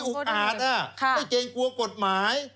อุ๊กอาดไม่เกร็งกลัวกฎหมาย